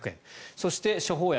そして、処方薬